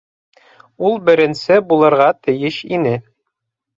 —Ул беренсе булырға тейеш ине!